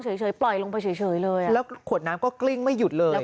ปล่อยลงไปเฉยเลยแล้วขวดน้ำก็กลิ้งไม่หยุดเลย